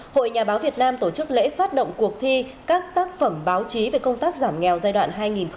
hội nhà báo việt nam tổ chức lễ phát động cuộc thi các tác phẩm báo chí về công tác giảm nghèo giai đoạn hai nghìn hai mươi hai nghìn hai mươi năm